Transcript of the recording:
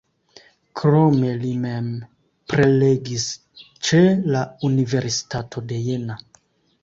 Krome li mem prelegis ĉe la Universitato de Jena.